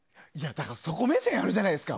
そこ目線あるじゃないですか。